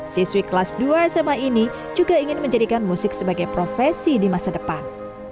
siswi kelas dua sma ini juga ingin menjadikan musik sebagai profesi di masa depan